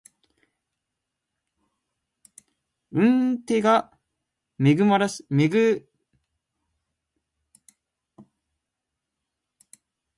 運手が目まぐるしく入れ替わる為に精度が非常に取りづらい。